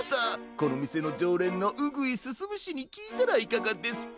このみせのじょうれんのうぐいすすむしにきいたらいかがですか？